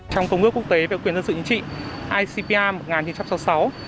trong công ước quốc tế về quyền dân sự chính trị icpa một nghìn chín trăm sáu mươi sáu